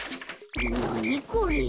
なにこれ。